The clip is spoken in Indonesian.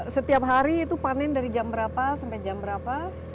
setiap hari itu panen dari jam berapa sampai jam berapa